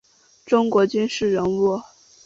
中国军事人物。